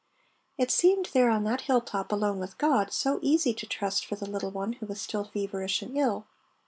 It seemed there on that hill top alone with God so easy to trust for the little one who was still feverish and ill.